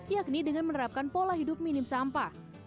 yakni dengan menerapkan pola hidup minim sampah